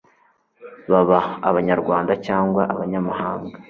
baba Abanyarwanda cyangwa abanyamahanga